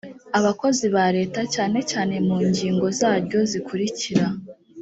abakozi ba leta cyane cyane mu ngingo zaryo zikurikira: